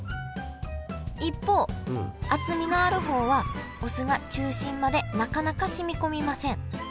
一方厚みのある方はお酢が中心までなかなか染み込みません。